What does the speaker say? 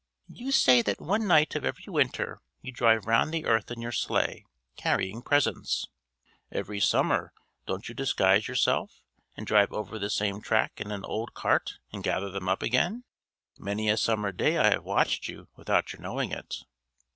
"You say that one night of every winter you drive round the earth in your sleigh, carrying presents. Every summer don't you disguise yourself and drive over the same track in an old cart and gather them up again? Many a summer day I have watched you without your knowing it!"